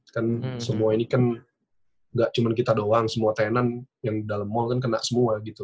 kan semua ini kan gak cuma kita doang semua tenan yang dalam mall kan kena semua gitu